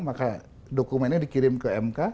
maka dokumennya dikirim ke mk